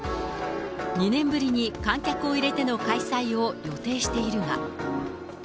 ２年ぶりに観客を入れての開催を予定しているが。